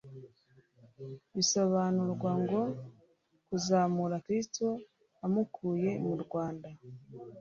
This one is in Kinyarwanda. Bisobanurwa ngo kuzamura Kristo amukuye murwanda